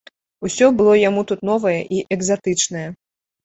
Усё было яму тут новае і экзатычнае.